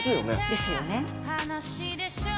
ですよね。ね？